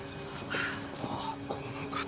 ああこの形。